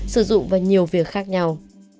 sử dụng vào nhiều việc khác nhau